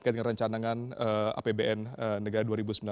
terkait dengan rencanangan apbn negara dua ribu sembilan belas